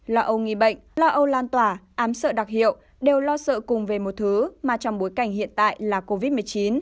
lo âu nghi bệnh lo âu lan tỏa ám sợ đặc hiệu đều lo sợ cùng về một thứ mà trong bối cảnh hiện tại là covid một mươi chín